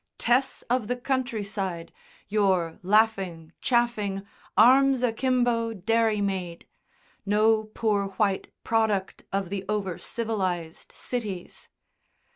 Tess of the countryside, your laughing, chaffing, arms akimbo dairymaid; no poor white product of the over civilised cities.